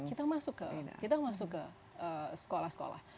iya kita masuk ke sekolah sekolah